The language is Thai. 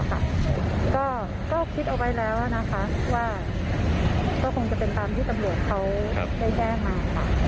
ก็คิดเอาไว้แล้วว่าคงจะเป็นตามที่กำรวจเขาได้แก้มา